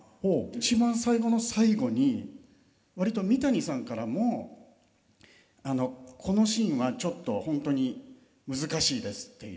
一番最後の最後に割と三谷さんからも「このシーンはちょっと本当に難しいです」っていう。